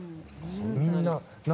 みんな。